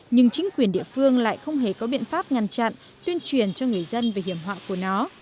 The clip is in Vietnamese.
nhưng chính quyền địa phương lại không hề có biện pháp ngăn chặn tuyên truyền cho người dân về hiểm họa của nó